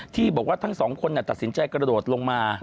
ที่บอกว่าทั้งสองคนตัดสินใจกระโดดลงมา